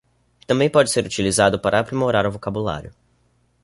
Também pode ser utilizado para aprimorar o vocabulário